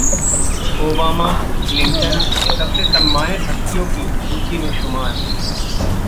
Obama, Clinton सबसे सम्मानित हस्तियों की सूची में शुमार